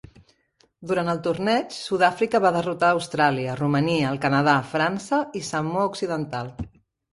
Durant el torneig, Sud-àfrica va derrotar Austràlia, Romania, el Canadà, França i Samoa Occidental.